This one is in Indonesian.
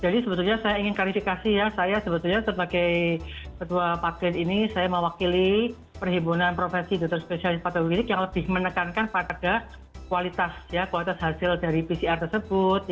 jadi sebetulnya saya ingin kalifikasi ya saya sebetulnya sebagai ketua pak klin ini saya mewakili perhimpunan prof dr spesialis patologi klinik yang lebih menekankan pada kualitas hasil dari pcr tersebut